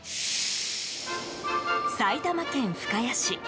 埼玉県深谷市。